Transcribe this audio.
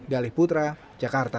galih putra jakarta